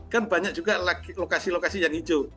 kan banyak juga lokasi lokasi yang hijau